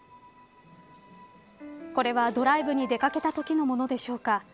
これは、ドライブに出掛けたときのものでしょうか。